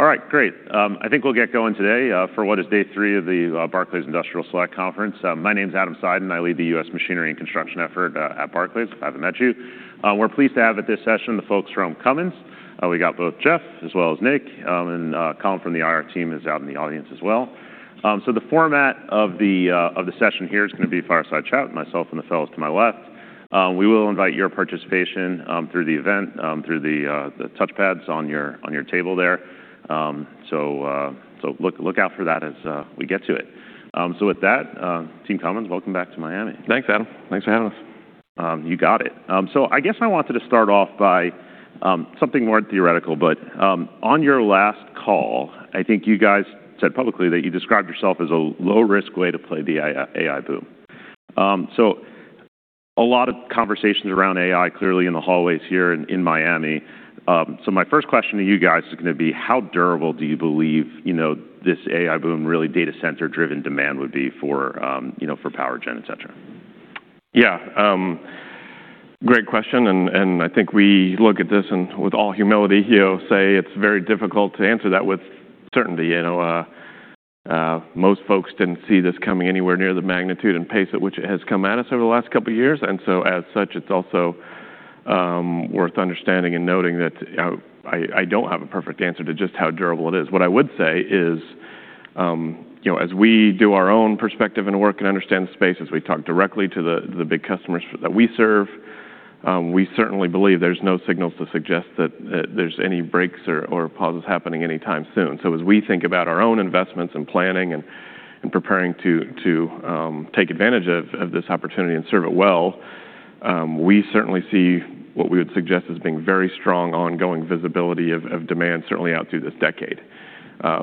All right, great. I think we'll get going today for what is day three of the Barclays Industrial Select Conference. My name's Adam Seiden, and I lead the U.S. Machinery and Construction effort at Barclays, if I haven't met you. We're pleased to have at this session the folks from Cummins. We got both Jeff as well as Nick, and Colin from the IR team is out in the audience as well. So the format of the session here is gonna be fireside chat, myself and the fellows to my left. We will invite your participation through the event, through the touchpads on your table there. So look out for that as we get to it. So with that, Team Cummins, welcome back to Miami. Thanks, Adam. Thanks for having us. You got it. So I guess I wanted to start off by something more theoretical, but on your last call, I think you guys said publicly that you described yourself as a low-risk way to play the AI, AI boom. So a lot of conversations around AI clearly in the hallways here in Miami. So my first question to you guys is gonna be: how durable do you believe, you know, this AI boom, really data center-driven demand would be for, you know, for power gen, et cetera? Yeah, great question, and I think we look at this and with all humility here say it's very difficult to answer that with certainty. You know, most folks didn't see this coming anywhere near the magnitude and pace at which it has come at us over the last couple of years, and so as such, it's also worth understanding and noting that I don't have a perfect answer to just how durable it is. What I would say is, you know, as we do our own perspective and work and understand the space, as we talk directly to the big customers that we serve, we certainly believe there's no signals to suggest that there's any breaks or pauses happening anytime soon. So as we think about our own investments and planning and preparing to take advantage of this opportunity and serve it well, we certainly see what we would suggest as being very strong, ongoing visibility of demand certainly out through this decade.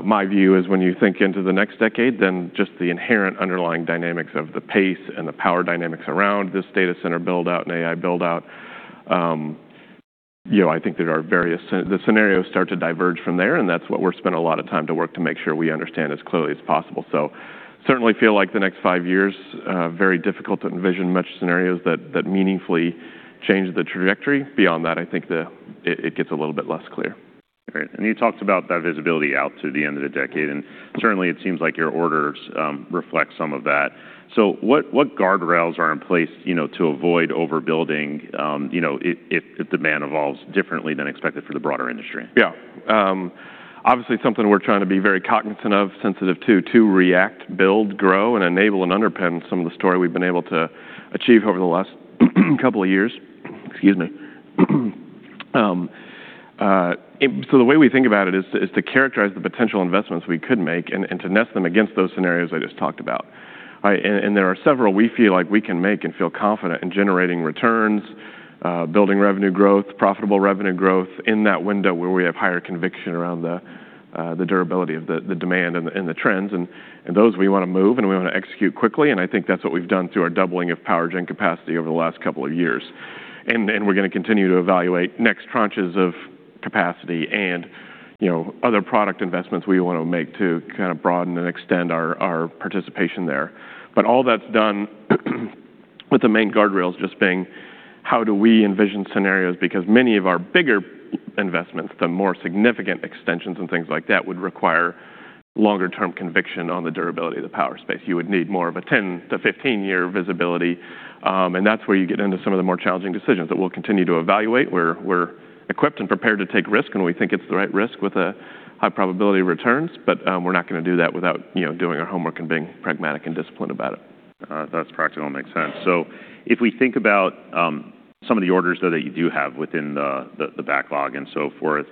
My view is when you think into the next decade, then just the inherent underlying dynamics of the pace and the power dynamics around this data center build-out and AI build-out, you know, I think there are various... The scenarios start to diverge from there, and that's what we're spending a lot of time to work to make sure we understand as clearly as possible. So certainly feel like the next five years, very difficult to envision much scenarios that meaningfully change the trajectory. Beyond that, I think it gets a little bit less clear. Great. And you talked about that visibility out to the end of the decade, and certainly it seems like your orders reflect some of that. So what guardrails are in place, you know, to avoid overbuilding, you know, if demand evolves differently than expected for the broader industry? Yeah. Obviously, something we're trying to be very cognizant of, sensitive to, to react, build, grow, and enable and underpin some of the story we've been able to achieve over the last couple of years. Excuse me. The way we think about it is to characterize the potential investments we could make and to nest them against those scenarios I just talked about, right? There are several we feel like we can make and feel confident in generating returns, building revenue growth, profitable revenue growth in that window where we have higher conviction around the durability of the demand and the trends. Those we want to move, and we want to execute quickly, and I think that's what we've done through our doubling of power gen capacity over the last couple of years. We're gonna continue to evaluate next tranches of capacity and, you know, other product investments we want to make to kind of broaden and extend our participation there. But all that's done with the main guardrails just being: how do we envision scenarios? Because many of our bigger investments, the more significant extensions and things like that, would require longer-term conviction on the durability of the power space. You would need more of a 10- to 15-year visibility, and that's where you get into some of the more challenging decisions that we'll continue to evaluate, where we're equipped and prepared to take risk, and we think it's the right risk with a high probability of returns, but, we're not gonna do that without, you know, doing our homework and being pragmatic and disciplined about it. That's practical. Makes sense. So if we think about some of the orders, though, that you do have within the backlog and so forth,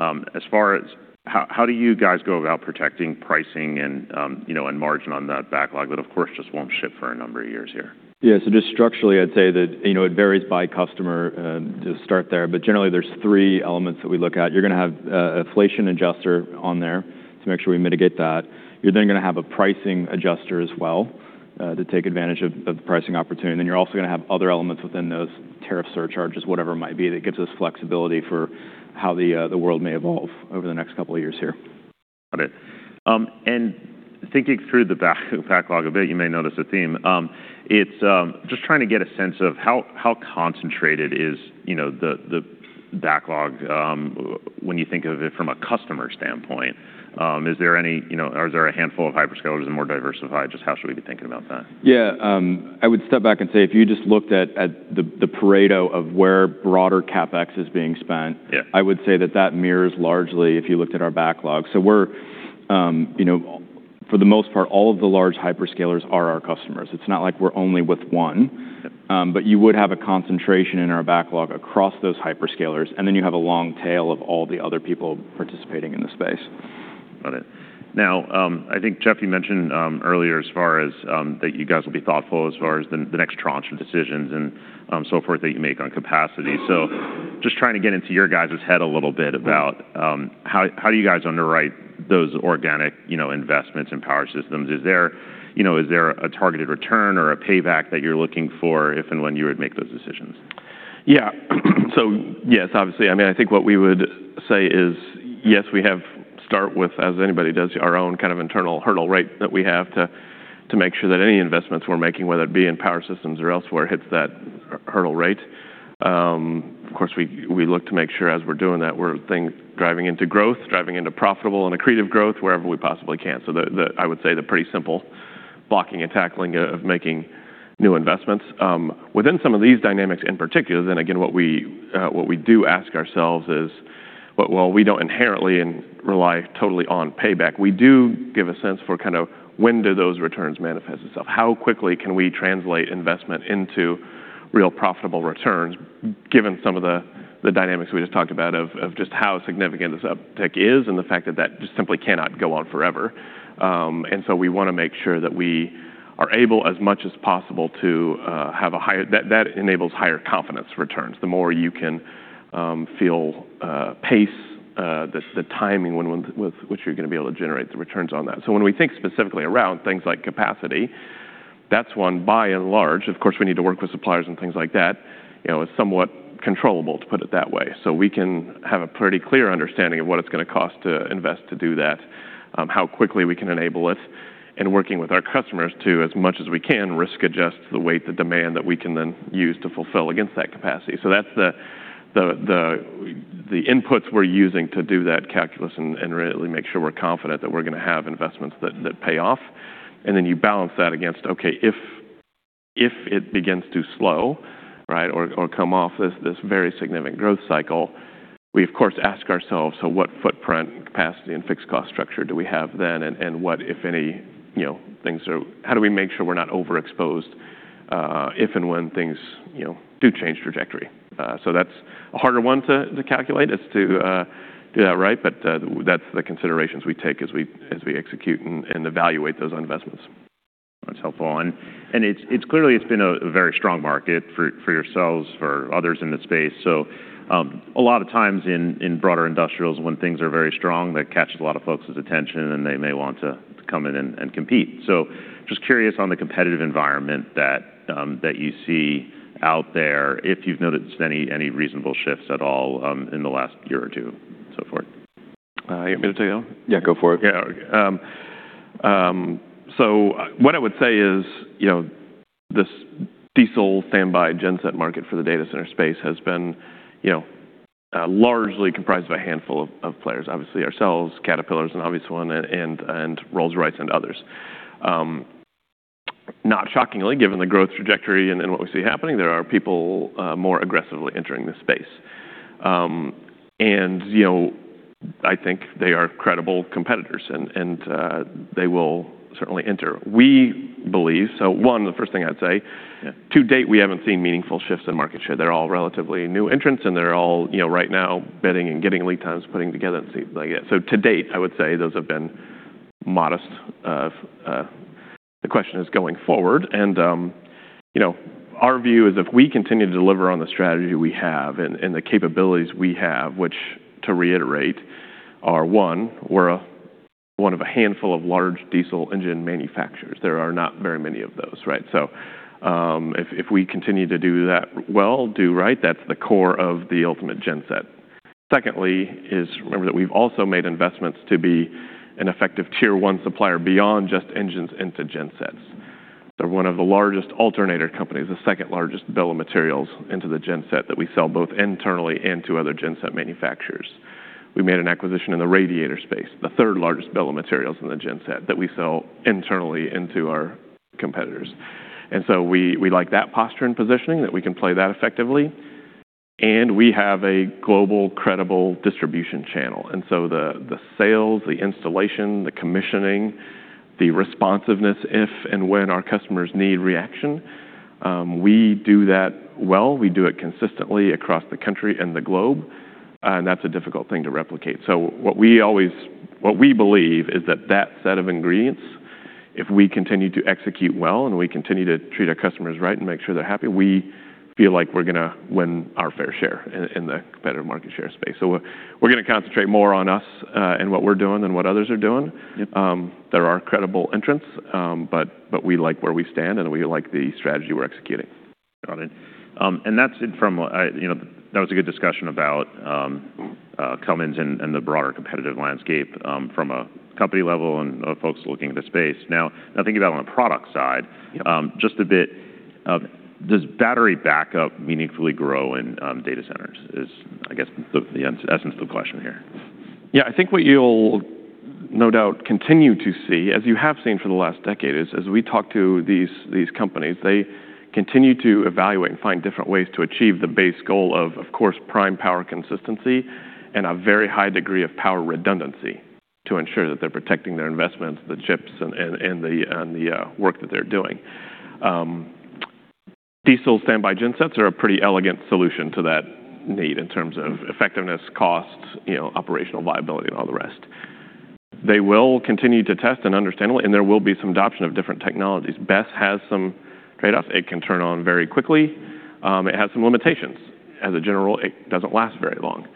as far as how do you guys go about protecting pricing and, you know, and margin on that backlog that, of course, just won't ship for a number of years here? Yeah. So just structurally, I'd say that, you know, it varies by customer, to start there, but generally there's three elements that we look at. You're gonna have an inflation adjuster on there to make sure we mitigate that. You're then gonna have a pricing adjuster as well, to take advantage of the pricing opportunity. And then you're also gonna have other elements within those tariff surcharges, whatever it might be, that gives us flexibility for how the world may evolve over the next couple of years here. Got it. And thinking through the backlog a bit, you may notice a theme. It's just trying to get a sense of how concentrated is, you know, the backlog, when you think of it from a customer standpoint? Is there any, you know... Or is there a handful of hyperscalers and more diversified? Just how should we be thinking about that? Yeah, I would step back and say, if you just looked at the Pareto of where broader CapEx is being spent- Yeah... I would say that that mirrors largely if you looked at our backlog. So we're, you know, for the most part, all of the large hyperscalers are our customers. It's not like we're only with one. Yep. But you would have a concentration in our backlog across those hyperscalers, and then you have a long tail of all the other people participating in the space. Got it. Now, I think, Jeff, you mentioned earlier as far as that you guys will be thoughtful as far as the next tranche of decisions and so forth that you make on capacity. So just trying to get into your guys' head a little bit about-... how do you guys underwrite those organic, you know, investments in power systems? Is there, you know, a targeted return or a payback that you're looking for if and when you would make those decisions? Yeah. So yes, obviously, I mean, I think what we would say is, yes, we have to start with, as anybody does, our own kind of internal hurdle rate that we have to make sure that any investments we're making, whether it be in power systems or elsewhere, hits that hurdle rate. Of course, we look to make sure as we're doing that, we're driving into growth, driving into profitable and accretive growth wherever we possibly can. So, I would say, the pretty simple blocking and tackling of making new investments. Within some of these dynamics in particular, then again, what we do ask ourselves is, but while we don't inherently rely totally on payback, we do give a sense for kind of when do those returns manifest itself? How quickly can we translate investment into real profitable returns, given some of the dynamics we just talked about of just how significant this uptick is and the fact that that just simply cannot go on forever. And so we wanna make sure that we are able, as much as possible, to have a higher—that enables higher confidence returns. The more you can feel pace the timing when with which you're gonna be able to generate the returns on that. So when we think specifically around things like capacity, that's one, by and large, of course, we need to work with suppliers and things like that, you know, it's somewhat controllable, to put it that way. So we can have a pretty clear understanding of what it's gonna cost to invest to do that, how quickly we can enable it, and working with our customers to, as much as we can, risk adjust the weight, the demand that we can then use to fulfill against that capacity. So that's the inputs we're using to do that calculus and really make sure we're confident that we're gonna have investments that pay off, and then you balance that against, okay, if it begins to slow, right, or come off this very significant growth cycle, we, of course, ask ourselves: So what footprint, capacity, and fixed cost structure do we have then? And what, if any, you know, things are... How do we make sure we're not overexposed, if and when things, you know, do change trajectory? So that's a harder one to calculate, as to do that right, but that's the considerations we take as we execute and evaluate those investments. That's helpful. And it's clearly been a very strong market for yourselves, for others in the space. So a lot of times in broader industrials, when things are very strong, they catch a lot of folks' attention, and they may want to come in and compete. So just curious on the competitive environment that you see out there, if you've noticed any reasonable shifts at all, in the last year or two, so forth. You want me to take it on? Yeah, go for it. Yeah. So what I would say is, you know, this diesel standby genset market for the data center space has been, you know, largely comprised of a handful of players. Obviously, ourselves, Caterpillar is an obvious one, and Rolls-Royce and others. Not shockingly, given the growth trajectory and what we see happening, there are people more aggressively entering this space. And, you know, I think they are credible competitors, and they will certainly enter. We believe, so one, the first thing I'd say— Yeah... to date, we haven't seen meaningful shifts in market share. They're all relatively new entrants, and they're all, you know, right now, bidding and getting lead times, putting together and see what they get. So to date, I would say those have been modest. The question is going forward, and, you know, our view is if we continue to deliver on the strategy we have and, and the capabilities we have, which, to reiterate, are, one, we're one of a handful of large diesel engine manufacturers. There are not very many of those, right? So, if, if we continue to do that well, do right, that's the core of the ultimate genset. Secondly is, remember that we've also made investments to be an effective tier one supplier beyond just engines into gensets. They're one of the largest alternator companies, the second largest bill of materials into the genset that we sell both internally and to other genset manufacturers. We made an acquisition in the radiator space, the third largest bill of materials in the genset, that we sell internally and to our competitors. And so we, we like that posture and positioning, that we can play that effectively, and we have a global, credible distribution channel, and so the, the sales, the installation, the commissioning, the responsiveness, if and when our customers need reaction, we do that well. We do it consistently across the country and the globe, and that's a difficult thing to replicate. So what we believe is that set of ingredients, if we continue to execute well, and we continue to treat our customers right and make sure they're happy, we feel like we're gonna win our fair share in the competitive market share space. So we're gonna concentrate more on us and what we're doing than what others are doing. Yep. There are credible entrants, but we like where we stand, and we like the strategy we're executing. Got it. And that's from, you know, that was a good discussion about Cummins and, and the broader competitive landscape, from a company level and, folks looking at the space. Now, now thinking about on the product side- Yep. Just a bit, does battery backup meaningfully grow in data centers? Is, I guess, the essence of the question here. Yeah, I think what you'll no doubt continue to see, as you have seen for the last decade, is as we talk to these companies, they continue to evaluate and find different ways to achieve the base goal of course, prime power consistency and a very high degree of power redundancy to ensure that they're protecting their investments, the chips and the work that they're doing. Diesel standby gensets are a pretty elegant solution to that need in terms of effectiveness, cost, you know, operational viability, and all the rest. They will continue to test and understand well, and there will be some adoption of different technologies. BESS has some trade-offs. It can turn on very quickly. It has some limitations. As a general, it doesn't last very long.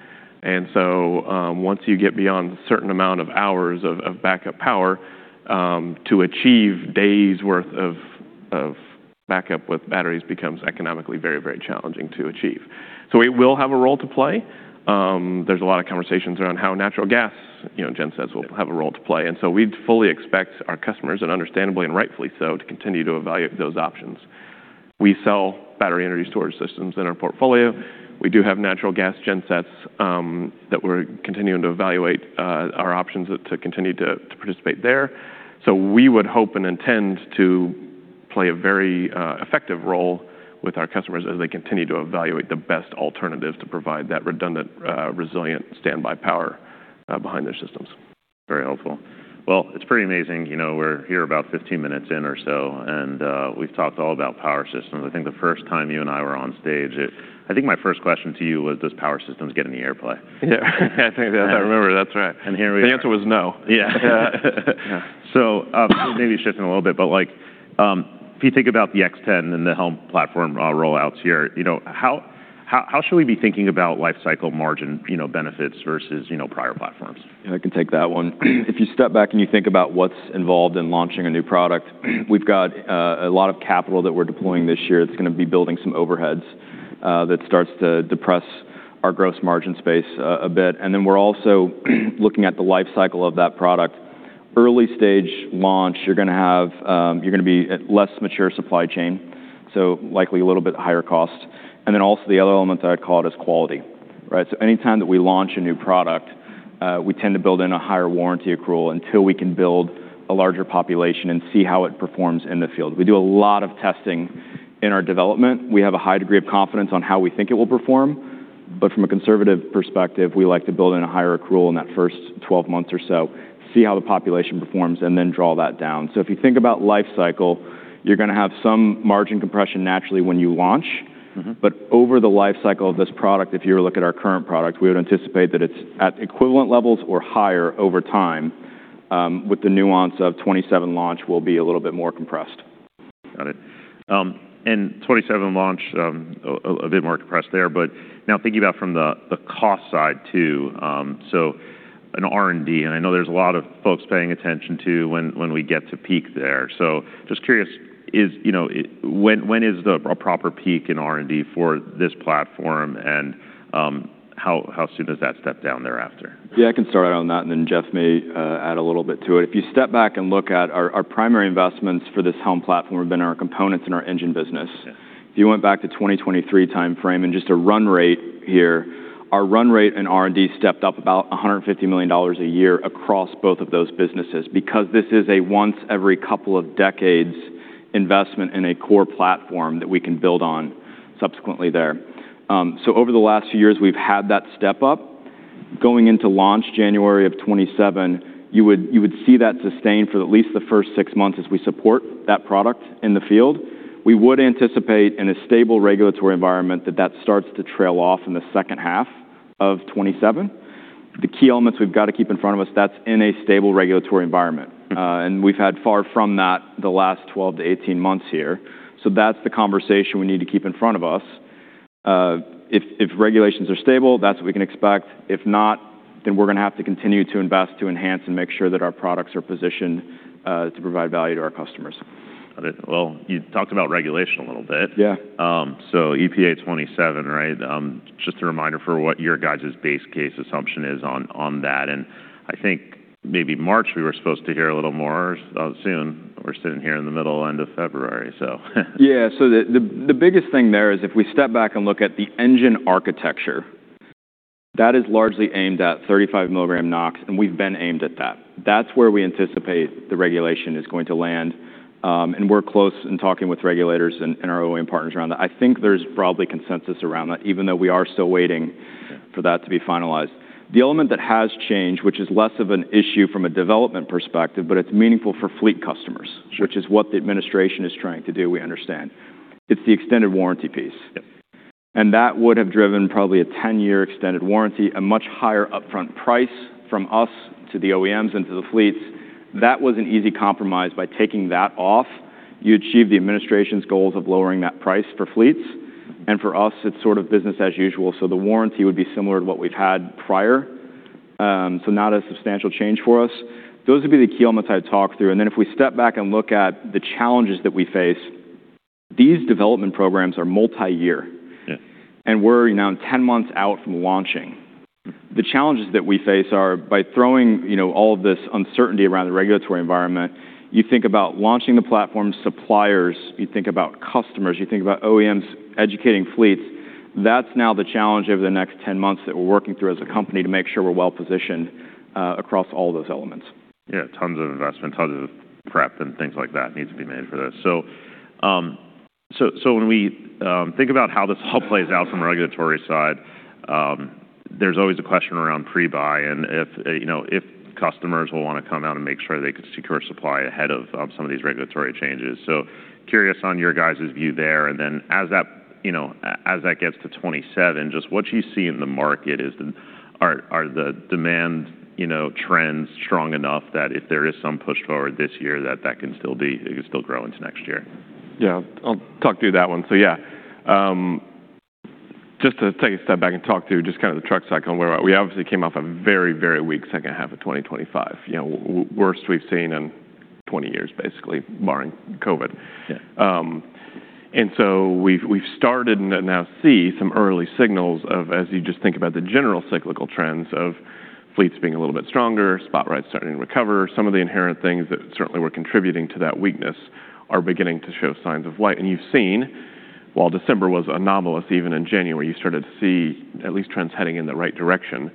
And so, once you get beyond a certain amount of hours of backup power, to achieve days' worth of- ...of backup with batteries becomes economically very, very challenging to achieve. We will have a role to play. There's a lot of conversations around how natural gas, you know, gensets will have a role to play, and we fully expect our customers, and understandably and rightfully so, to continue to evaluate those options. We sell battery energy storage systems in our portfolio. We do have natural gas gensets that we're continuing to evaluate, our options to continue to participate there. We would hope and intend to play a very effective role with our customers as they continue to evaluate the best alternative to provide that redundant, resilient standby power behind their systems. Very helpful. Well, it's pretty amazing. You know, we're here about 15 minutes in or so, and, we've talked all about power systems. I think the first time you and I were on stage, it- I think my first question to you was, "Does power systems get any airplay? Yeah, I think I remember. That's right. Here we are. The answer was no. Yeah. Yeah. Maybe shifting a little bit, but, like, if you think about the X10 and the HELM platform, rollouts here, you know, how, how, how should we be thinking about life cycle margin, you know, benefits versus, you know, prior platforms? I can take that one. If you step back and you think about what's involved in launching a new product, we've got a lot of capital that we're deploying this year. It's gonna be building some overheads that starts to depress our gross margin space a bit. And then we're also looking at the life cycle of that product. Early-stage launch, you're gonna be at less mature supply chain, so likely a little bit higher cost. And then also, the other element that I'd call it is quality, right? So anytime that we launch a new product, we tend to build in a higher warranty accrual until we can build a larger population and see how it performs in the field. We do a lot of testing in our development. We have a high degree of confidence on how we think it will perform, but from a conservative perspective, we like to build in a higher accrual in that first 12 months or so, see how the population performs, and then draw that down. So if you think about life cycle, you're gonna have some margin compression naturally when you launch. But over the life cycle of this product, if you were to look at our current product, we would anticipate that it's at equivalent levels or higher over time, with the nuance of 2027 launch will be a little bit more compressed. Got it. And 2027 launch, a bit more compressed there, but now thinking about from the cost side, too, so in R&D, and I know there's a lot of folks paying attention to when we get to peak there, so just curious, you know, when is a proper peak in R&D for this platform, and how soon does that step down thereafter? Yeah, I can start out on that, and then Jeff may add a little bit to it. If you step back and look at our primary investments for this HELM platform have been our components and our engine business. Yes. If you went back to 2023 timeframe and just a run rate here, our run rate in R&D stepped up about $150 million a year across both of those businesses because this is a once every couple of decades investment in a core platform that we can build on subsequently there. So over the last few years, we've had that step up. Going into launch January of 2027, you would see that sustained for at least the first six months as we support that product in the field. We would anticipate, in a stable regulatory environment, that that starts to trail off in the second half of 2027. The key elements we've got to keep in front of us, that's in a stable regulatory environment-... and we've had far from that the last 12-18 months here. So that's the conversation we need to keep in front of us. If, if regulations are stable, that's what we can expect. If not, then we're gonna have to continue to invest, to enhance, and make sure that our products are positioned, to provide value to our customers. Got it. Well, you talked about regulation a little bit. Yeah. So EPA '27, right? Just a reminder for what your guys' base case assumption is on, on that, and I think maybe March, we were supposed to hear a little more, soon. We're sitting here in the middle, end of February, so... Yeah. So the biggest thing there is if we step back and look at the engine architecture, that is largely aimed at 35 milligram NOx, and we've been aimed at that. That's where we anticipate the regulation is going to land. And we're close in talking with regulators and our OEM partners around that. I think there's broadly consensus around that, even though we are still waiting for that to be finalized. The element that has changed, which is less of an issue from a development perspective, but it's meaningful for fleet customers- Sure... which is what the administration is trying to do, we understand. It's the extended warranty piece. Yep. That would have driven probably a 10-year extended warranty, a much higher upfront price from us to the OEMs and to the fleets. That was an easy compromise by taking that off. You achieve the administration's goals of lowering that price for fleets, and for us, it's sort of business as usual, so the warranty would be similar to what we've had prior. So not a substantial change for us. Those would be the key elements I'd talk through, and then if we step back and look at the challenges that we face, these development programs are multi-year. Yeah. We're now 10 months out from launching. The challenges that we face are by throwing, you know, all of this uncertainty around the regulatory environment, you think about launching the platform, suppliers, you think about customers, you think about OEMs educating fleets. That's now the challenge over the next 10 months that we're working through as a company to make sure we're well-positioned across all those elements. Yeah, tons of investment, tons of prep, and things like that need to be made for this. When we think about how this all plays out from a regulatory side, there's always a question around pre-buy and if, you know, if customers will want to come out and make sure they could secure supply ahead of some of these regulatory changes. Curious on your guys' view there, and then as that gets to 2027, just what do you see in the market? Are the demand, you know, trends strong enough that if there is some push forward this year, that that can still be, it can still grow into next year? Yeah, I'll talk through that one. So yeah. ... Just to take a step back and talk through just kind of the truck cycle, where we obviously came off a very, very weak second half of 2025. You know, worst we've seen in 20 years, basically, barring COVID. Yeah. And so we've started and now see some early signals of, as you just think about the general cyclical trends of fleets being a little bit stronger, spot rates starting to recover. Some of the inherent things that certainly were contributing to that weakness are beginning to show signs of life. And you've seen, while December was anomalous, even in January, you started to see at least trends heading in the right direction.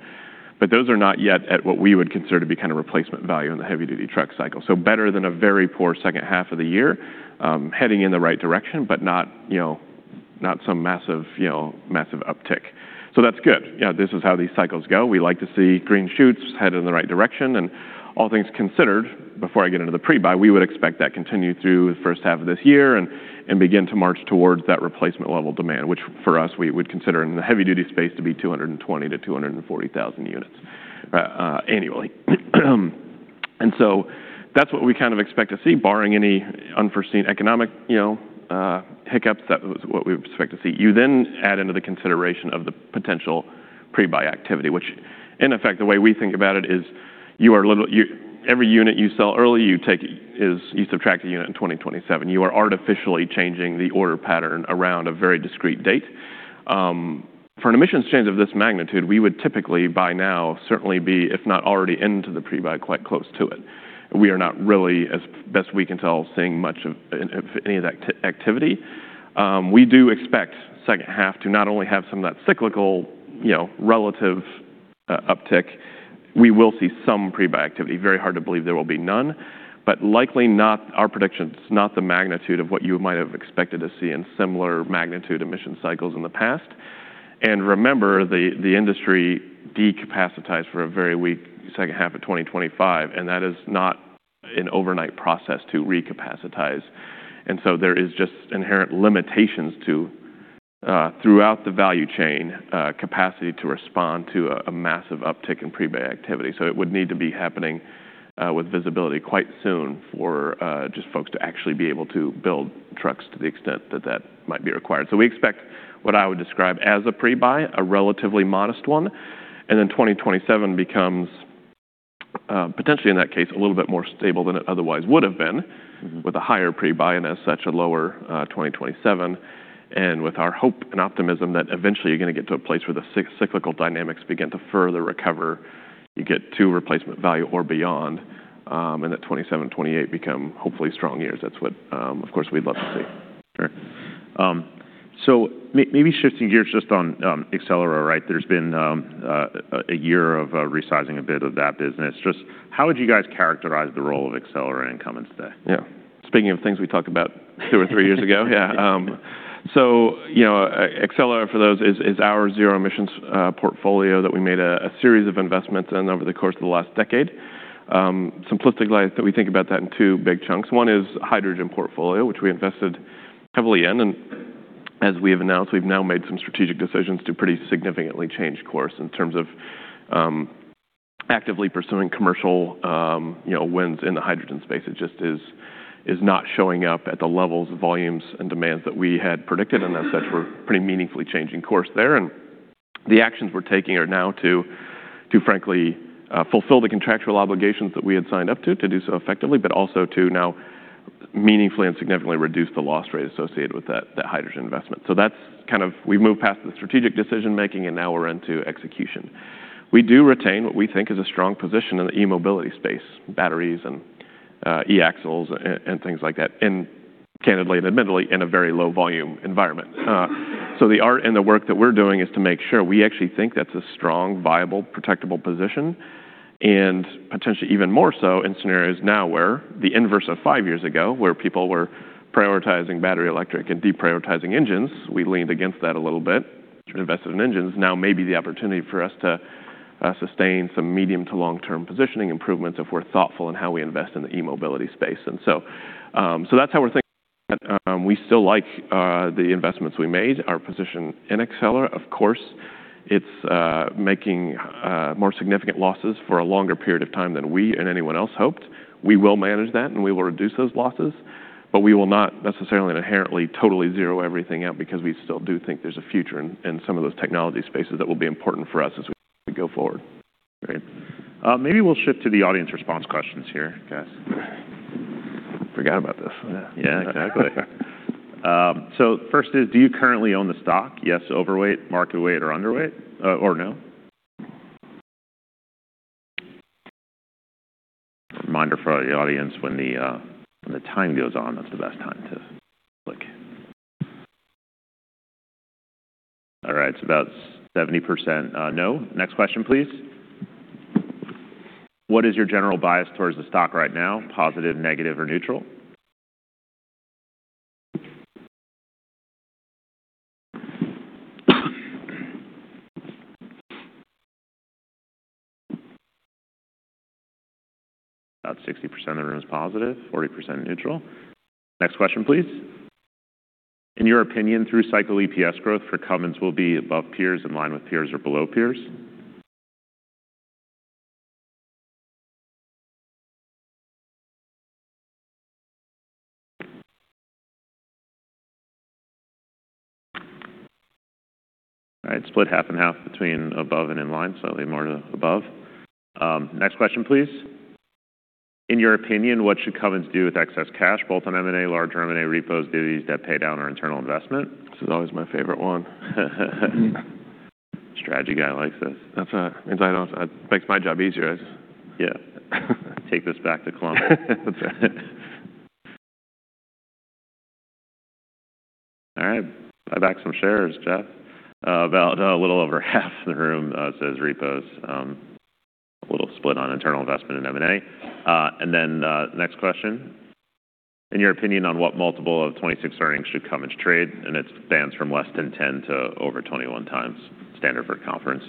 But those are not yet at what we would consider to be kind of replacement value in the heavy-duty truck cycle. So better than a very poor second half of the year, heading in the right direction, but not, you know, not some massive, you know, massive uptick. So that's good. Yeah, this is how these cycles go. We like to see green shoots head in the right direction. All things considered, before I get into the pre-buy, we would expect that continue through the first half of this year and, and begin to march towards that replacement level demand, which for us, we would consider in the heavy-duty space to be 220-240 thousand units annually. And so that's what we kind of expect to see, barring any unforeseen economic, you know, hiccups. That was what we expect to see. You then add into the consideration of the potential pre-buy activity, which in effect, the way we think about it is you are little-- You-- Every unit you sell early, you take, is you subtract a unit in 2027. You are artificially changing the order pattern around a very discrete date. For an emissions change of this magnitude, we would typically, by now, certainly be, if not already into the pre-buy, quite close to it. We are not really, as best we can tell, seeing much of any of that activity. We do expect second half to not only have some of that cyclical, you know, relative uptick. We will see some pre-buy activity. Very hard to believe there will be none, but likely not our predictions, not the magnitude of what you might have expected to see in similar magnitude emission cycles in the past. And remember, the industry decapacitized for a very weak second half of 2025, and that is not an overnight process to recapacitize. And so there is just inherent limitations to throughout the value chain capacity to respond to a massive uptick in pre-buy activity. So it would need to be happening with visibility quite soon for just folks to actually be able to build trucks to the extent that that might be required. So we expect what I would describe as a pre-buy, a relatively modest one, and then 2027 becomes potentially, in that case, a little bit more stable than it otherwise would have been, with a higher pre-buy and as such, a lower 2027. And with our hope and optimism that eventually you're gonna get to a place where the cyclical dynamics begin to further recover, you get to replacement value or beyond, and that 2027, 2028 become hopefully strong years. That's what, of course, we'd love to see. Sure. So maybe shifting gears just on Accelera, right? There's been a year of resizing a bit of that business. Just how would you guys characterize the role of Accelera in Cummins today? Yeah. Speaking of things we talked about two or three years ago. Yeah, so, you know, Accelera for those is our zero-emissions portfolio that we made a series of investments in over the course of the last decade. Simplistically, we think about that in two big chunks. One is hydrogen portfolio, which we invested heavily in, and as we have announced, we've now made some strategic decisions to pretty significantly change course in terms of actively pursuing commercial, you know, wins in the hydrogen space. It just is not showing up at the levels of volumes and demands that we had predicted, and thus we're pretty meaningfully changing course there. The actions we're taking are now to, to frankly, fulfill the contractual obligations that we had signed up to, to do so effectively, but also to now meaningfully and significantly reduce the loss rate associated with that, that hydrogen investment. So that's kind of. We've moved past the strategic decision-making, and now we're into execution. We do retain what we think is a strong position in the e-mobility space, batteries and, eAxles and, and things like that, and candidly and admittedly, in a very low volume environment. So the art and the work that we're doing is to make sure we actually think that's a strong, viable, protectable position. And potentially even more so in scenarios now where the inverse of five years ago, where people were prioritizing battery, electric, and deprioritizing engines, we leaned against that a little bit and invested in engines. Now may be the opportunity for us to sustain some medium to long-term positioning improvements if we're thoughtful in how we invest in the e-mobility space. And so, that's how we're thinking. We still like the investments we made. Our position in Accelera, of course, it's making more significant losses for a longer period of time than we and anyone else hoped. We will manage that, and we will reduce those losses, but we will not necessarily inherently, totally zero everything out because we still do think there's a future in some of those technology spaces that will be important for us as we go forward. Great. Maybe we'll shift to the audience response questions here, guys. Forgot about this. Yeah, exactly. So first is, do you currently own the stock? Yes, overweight, market weight, or underweight, or no? Reminder for the audience, when the, when the time goes on, that's the best time to click. All right, so about 70% no. Next question, please. What is your general bias towards the stock right now? Positive, negative, or neutral? About 60% of the room is positive, 40% neutral. Next question, please. In your opinion, through cycle EPS growth for Cummins will be above peers, in line with peers, or below peers? All right, split 50/50 between above and in line, slightly more to above. Next question, please. In your opinion, what should Cummins do with excess cash: M&A, long-term M&A, repurchases, dividends, debt paydown, or internal investment? This is always my favorite one. Strategy guy likes this. That means I don't-- makes my job easier, I guess. Yeah. Take this back to Columbus. That's right. All right, buy back some shares, Jeff. About a little over half the room says repos. A little split on internal investment in M&A. And then, next question. In your opinion, on what multiple of 2026 earnings should Cummins trade? And it spans from less than 10 to over 21 times. Standard for a conference.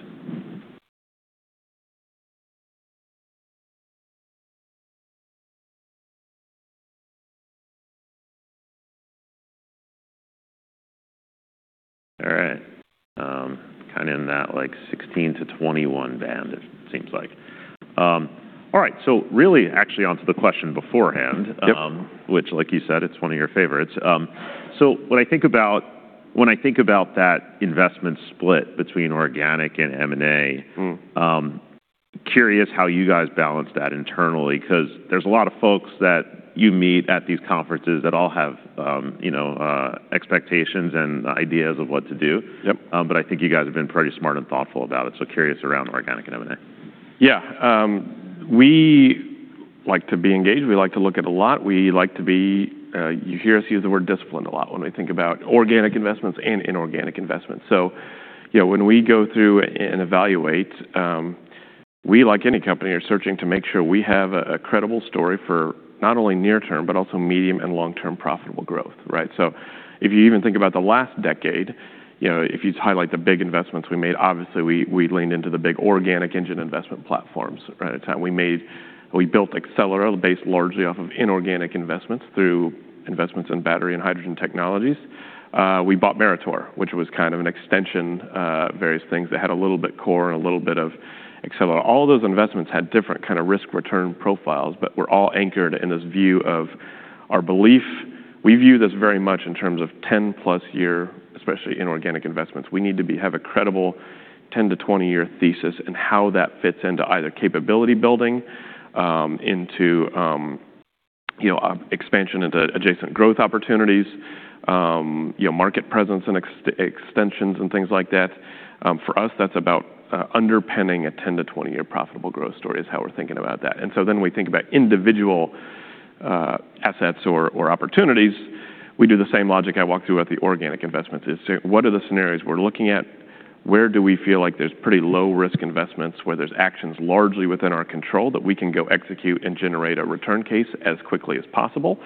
All right. Kind of in that, like, 16-21 band, it seems like. All right, so really actually onto the question beforehand- Yep. which, like you said, it's one of your favorites. So when I think about that investment split between organic and M&A- Curious how you guys balance that internally, 'cause there's a lot of folks that you meet at these conferences that all have, you know, expectations and ideas of what to do. Yep. But I think you guys have been pretty smart and thoughtful about it, so curious around organic and M&A. Yeah. We like to be engaged. We like to look at a lot. We like to be, you hear us use the word disciplined a lot when we think about organic investments and inorganic investments. So, you know, when we go through and evaluate, we, like any company, are searching to make sure we have a, a credible story for not only near term, but also medium and long-term profitable growth, right? So if you even think about the last decade, you know, if you highlight the big investments we made, obviously, we, we leaned into the big organic engine investment platforms right at time. We made... We built Accelera based largely off of inorganic investments through investments in battery and hydrogen technologies. We bought Meritor, which was kind of an extension, various things that had a little bit core and a little bit of Accelera. All those investments had different kind of risk-return profiles, but were all anchored in this view of our belief. We view this very much in terms of 10-plus year, especially inorganic investments. We need to be, have a credible 10- to 20-year thesis and how that fits into either capability building, into, you know, expansion into adjacent growth opportunities, you know, market presence and extensions and things like that. For us, that's about, underpinning a 10- to 20-year profitable growth story is how we're thinking about that. And so then we think about individual, assets or, or opportunities. We do the same logic I walked through at the organic investments is say, what are the scenarios we're looking at? Where do we feel like there's pretty low-risk investments, where there's actions largely within our control that we can go execute and generate a return case as quickly as possible?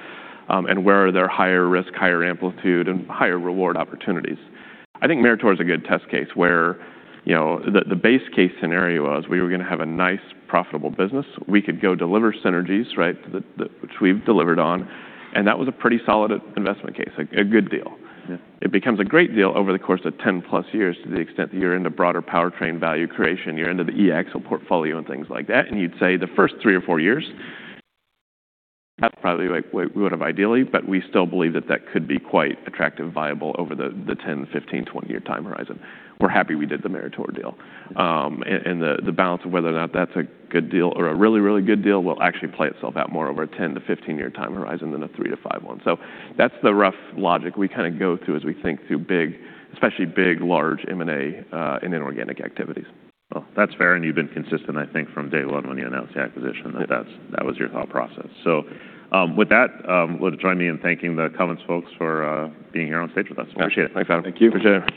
And where are there higher risk, higher amplitude, and higher reward opportunities? I think Meritor is a good test case where, you know, the base case scenario was we were gonna have a nice, profitable business. We could go deliver synergies, right? Which we've delivered on, and that was a pretty solid investment case, like a good deal. Yeah. It becomes a great deal over the course of 10+ years to the extent that you're into broader powertrain value creation, you're into the E-axle portfolio and things like that. And you'd say the first 3 or 4 years, that's probably like we would have ideally, but we still believe that that could be quite attractive and viable over the 10-, 15-, 20-year time horizon. We're happy we did the Meritor deal. And the balance of whether or not that's a good deal or a really, really good deal will actually play itself out more over a 10- to 15-year time horizon than a 3- to 5-year one. So that's the rough logic we kind of go through as we think through big, especially big, large M&A, and inorganic activities. Well, that's fair, and you've been consistent, I think, from day one when you announced the acquisition- Yep That, that's, that was your thought process. So, with that, would you join me in thanking the Cummins folks for being here on stage with us? Yeah. Appreciate it. Thank you. Appreciate it.